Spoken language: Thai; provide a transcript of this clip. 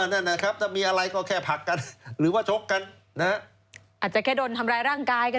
นั่นนะครับถ้ามีอะไรก็แค่ผลักกันหรือว่าชกกันนะฮะอาจจะแค่โดนทำร้ายร่างกายกัน